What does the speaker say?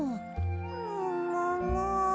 ももも。